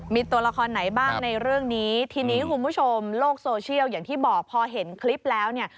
มีตัวละครไหนบ้างในเรื่องนี้ทีนี้คุณผู้ชมโลกโซเชียลอย่างที่บอกพอเห็นคลิปแล้วเนี่ย